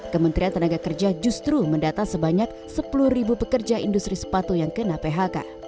kementerian tenaga kerja justru mendata sebanyak sepuluh pekerja industri sepatu yang kena phk